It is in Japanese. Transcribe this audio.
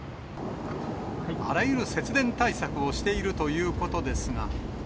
あらゆる節電対策をしているということですが。